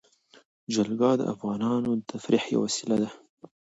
جلګه د افغانانو د تفریح یوه وسیله ده.